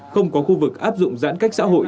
không có khu vực áp dụng giãn cách xã hội